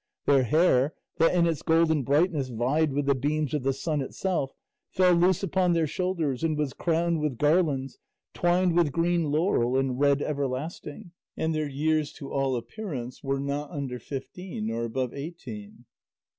Their hair, that in its golden brightness vied with the beams of the sun itself, fell loose upon their shoulders and was crowned with garlands twined with green laurel and red everlasting; and their years to all appearance were not under fifteen nor above eighteen.